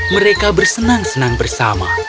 mereka bersenang senang bersama